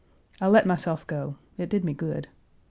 I let myself go; it did me good.